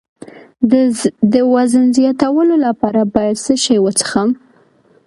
د وزن زیاتولو لپاره باید څه شی وڅښم؟